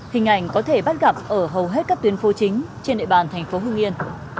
hình ảnh có thể bắt gặp ở hầu hết các tuyến phố chính trên địa bàn thành phố hưng yên